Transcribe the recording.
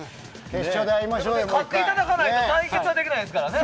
勝っていかないと対決できないですからね。